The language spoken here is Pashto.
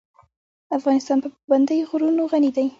افغانستان په پابندی غرونه غني دی.